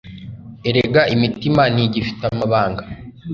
Erega imitima ntigifite amabanga